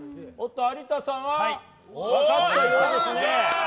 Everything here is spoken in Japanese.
有田さんは分かったようですね。